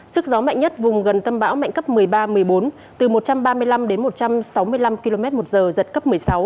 sức gió mạnh nhất vùng gần tâm bão mạnh cấp một mươi ba một mươi bốn từ một trăm ba mươi năm đến một trăm sáu mươi năm km một giờ giật cấp một mươi sáu